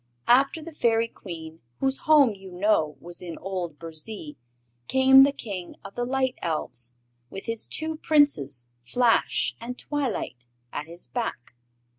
After the Fairy Queen, whose home you know was in old Burzee, came the King of the Light Elves, with his two Princes, Flash and Twilight, at his back.